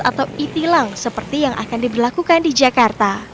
atau itilang seperti yang akan dilakukan di jakarta